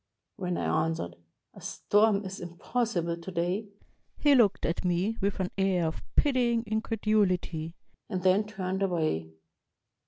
When I answered, "A storm is impossible to day," he looked at me with an air of pitying increduhty, and then turned away.